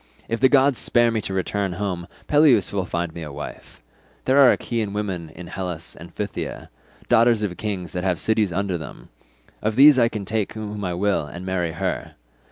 If the gods spare me to return home, Peleus will find me a wife; there are Achaean women in Hellas and Phthia, daughters of kings that have cities under them; of these I can take whom I will and marry her.